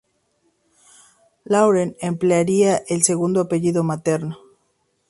Lauren emplearía el segundo apellido materno.